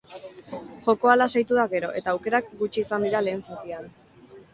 Jokoa lasaitu da gero, eta aukerak gutxi izan dira lehen zatian.